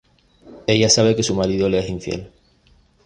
Ella sabe que su marido le es infiel.